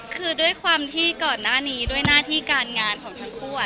คือด้วยความที่ก่อนหน้านี้ด้วยหน้าที่การงานของทั้งคู่